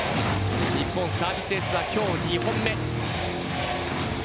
日本サービスエースは今日２本目。